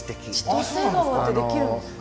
千歳川でできるんですか？